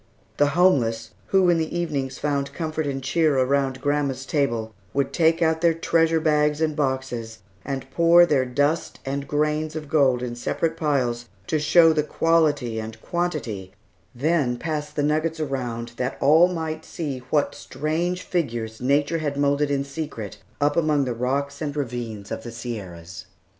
The homeless, who in the evenings found comfort and cheer around grandma's table, would take out their treasure bags and boxes and pour their dust and grains of gold in separate piles, to show the quality and quantity, then pass the nuggets around that all might see what strange figures nature had moulded in secret up among the rocks and ravines of the Sierras.